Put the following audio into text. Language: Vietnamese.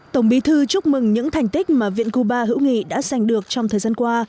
tổng bí thư chúc mừng những thành tích mà viện cuba hữu nghị đã sành được trong thời gian qua